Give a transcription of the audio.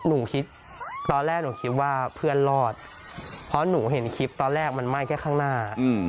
หนูคิดตอนแรกหนูคิดว่าเพื่อนรอดเพราะหนูเห็นคลิปตอนแรกมันไหม้แค่ข้างหน้า